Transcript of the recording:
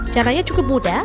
caranya cukup mudah